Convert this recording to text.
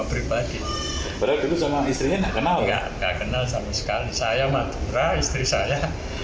ngeri ngeri saya apa yang saya lakukan juga